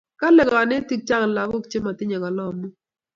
kale kanetik chang lakok che matinye kalamok